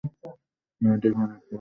নদীটির পানিপ্রবাহ মৌসুমি প্রকৃতির।